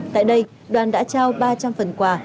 tại đây đoàn đã trao ba trăm linh phần quà